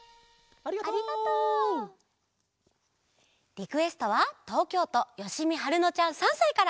リクエストはとうきょうとよしみはるのちゃん３さいから。